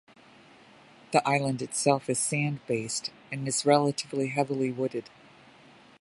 The island itself is sand based and is relatively heavily wooded.